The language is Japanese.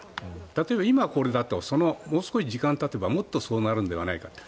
例えば今これだともう少し時間がたてばもっとそうなるんではないか。